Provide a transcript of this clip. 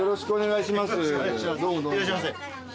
いらっしゃいませ。